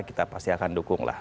kita pasti akan dukung lah